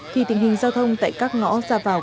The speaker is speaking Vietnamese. thì tình hình giao thông tại các ngõ ra vào